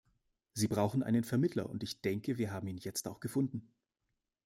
Sie brauchen einen Vermittler und ich denke, wir haben ihn jetzt auch gefunden.